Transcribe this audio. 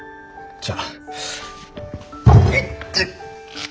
じゃあ。